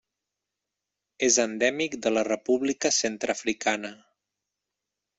És endèmic de la República Centreafricana.